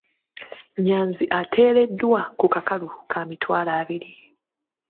Nnyanzi ateereddwa ku kakalu ka mitwalo abiri.